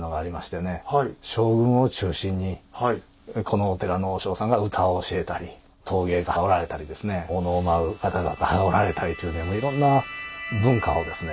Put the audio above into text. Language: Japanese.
このお寺の和尚さんが歌を教えたり陶芸家がおられたりですねお能を舞う方々がおられたりというねいろんな文化をですね